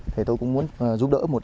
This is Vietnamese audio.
thì tôi cũng muốn giúp đỡ